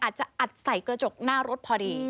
อาจจะอัดใส่กระจกหน้ารถพอดี